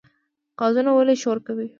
قازونه ولې شور کوي؟